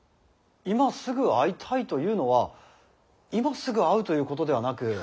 今すぐ会いたいというのは今すぐ会うということではなく。